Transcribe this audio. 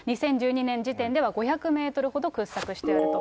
２０１２年時点では５００メートルほど掘削してあると。